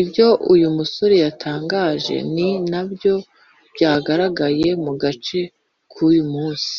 Ibyo uyu musore yatangaje ni nabyo byagaragaye mu gace k’uyu munsi